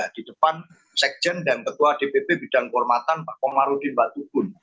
di depan sekjen dan ketua dpp bidang kehormatan pak komarudin batubun